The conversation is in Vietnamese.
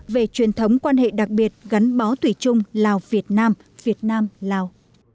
về truyền thống quan hệ đặc biệt gắn bó thủy chung lào việt nam việt nam lào